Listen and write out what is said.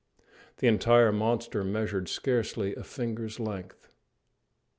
The entire monster measured scarcely a finger's length.